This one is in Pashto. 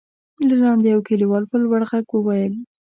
له لاندې يوه کليوال په لوړ غږ وويل: